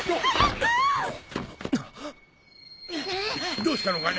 どうしたのかね！？